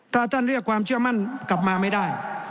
ถ้าท่านเรียกความเชื่อมั่นกลับมาไม่ได้